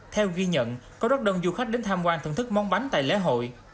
theo ghi nhận có rất đông du khách đến tham quan thưởng thức món bánh tại lễ hội